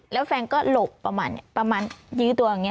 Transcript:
แล้วแฟนก็หลบประมาณนี้ประมาณยื้อตัวอย่างนี้